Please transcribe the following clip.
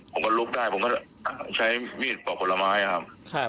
ผมก็ลุกได้ผมก็ใช้มีดปอกผลไม้ครับ